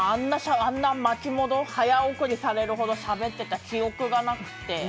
あんな早送りされるほどしゃべってた記憶がなくて。